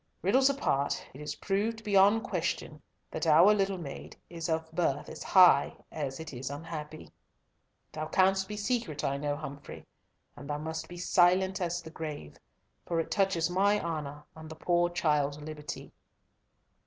Riddles apart, it is proved beyond question that our little maid is of birth as high as it is unhappy. Thou canst be secret, I know, Humfrey, and thou must be silent as the grave, for it touches my honour and the poor child's liberty."